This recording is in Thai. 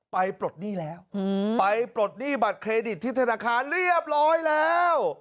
ปลดหนี้แล้วไปปลดหนี้บัตรเครดิตที่ธนาคารเรียบร้อยแล้ว